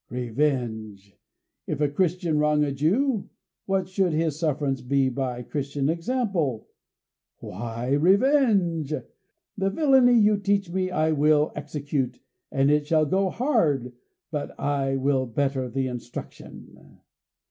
Revenge. If a Christian wrong a Jew, what should his sufferance be by Christian example? Why, REVENGE! The villainy you teach me I will execute, and it shall go hard but I will better the instruction."